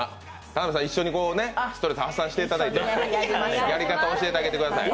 田辺さん、一緒にストレス発散していただいてやり方、教えてあげてください。